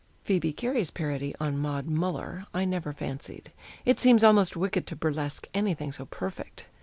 Phoebe Cary's parody on "Maud Muller" I never fancied; it seems almost wicked to burlesque anything so perfect.